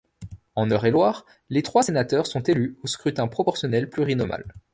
En Eure-et-Loir, les trois sénateurs sont élus au scrutin proportionnel plurinominal.